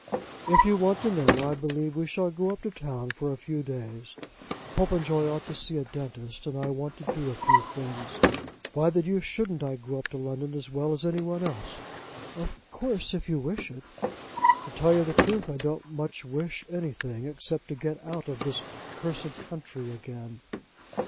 "If you want to know, I believe we shall go up to town for a few days. Popenjoy ought to see a dentist, and I want to do a few things. Why the deuce shouldn't I go up to London as well as any one else?" "Of course, if you wish it." "To tell you the truth, I don't much wish anything, except to get out of this cursed country again."